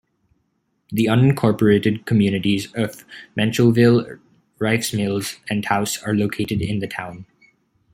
The unincorporated communities of Menchalville, Reifs Mills, and Taus are located in the town.